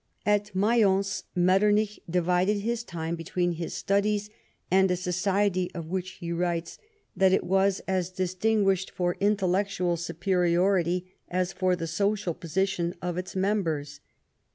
At Mayence, Metternich divided his time between his studies, and a society of which he writes, that it was " as distinguished for intellectual superiority as for ■the social position of its members."